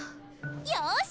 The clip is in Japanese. よし！